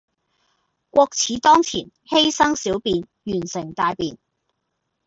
國恥當前，犧牲小便，完成大便